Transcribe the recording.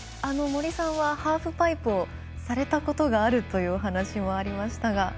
森さんはハーフパイプをされたことがあるというお話もありましたが。